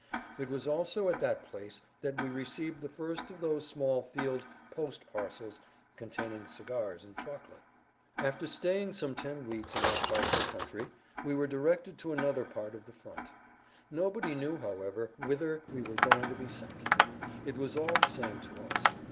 It was also at that place that we received the first of those small field post parcels containing cigars and chocolate. After staying some ten weeks in that part of the country we were directed to another part of the front. Nobody knew, however, whither we were going to be sent. It was all the same to us.